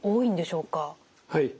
はい。